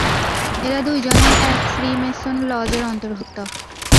এরা দুজনেই এক ফ্রীমেসন লজের অন্তর্ভুক্ত।